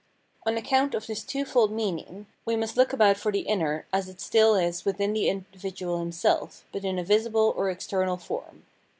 302 Phenomenology of Mind On account of this twofold meaning, we must look about for the inner as it still is within the individual himself, but in a visible or external form.